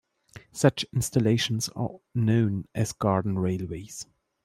Such installations are known as garden railways.